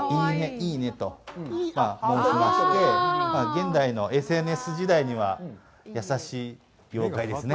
いいね！と申しまして、現代のＳＮＳ時代には優しい妖怪ですね。